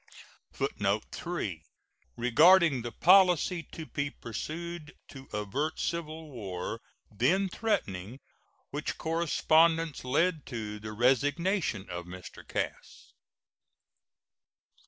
[Footnote 3: Regarding the policy to be pursued to avert civil war, then threatening, which correspondence led to the resignation of Mr. Cass.